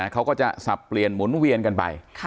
เขาก็จะสับเปลี่ยนหมุนเวียนกันไป